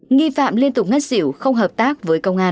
nghi phạm liên tục ngất xỉu không hợp tác với công an